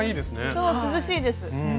そう涼しいです。